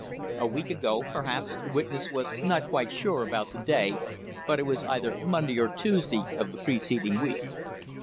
A week ago, perhaps, the witness was not quite sure about the day, but it was either Monday or Tuesday of the preceding week.